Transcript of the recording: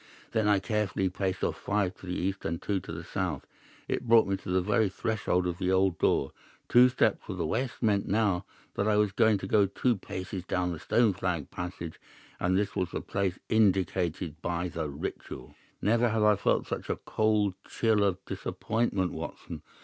Then I carefully paced off five to the east and two to the south. It brought me to the very threshold of the old door. Two steps to the west meant now that I was to go two paces down the stone flagged passage, and this was the place indicated by the Ritual. "Never have I felt such a cold chill of disappointment, Watson.